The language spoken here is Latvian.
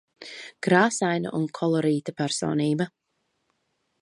Krāsaina un kolorīta personība.